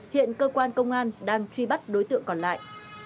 hiện cơ quan công an đang truy bắt đối tượng còn lại